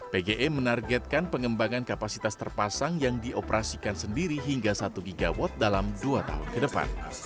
pge menargetkan pengembangan kapasitas terpasang yang dioperasikan sendiri hingga satu gigawatt dalam dua tahun ke depan